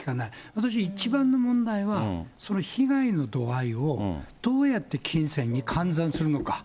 私一番の問題は、その被害の度合いを、どうやって金銭に換算するのか。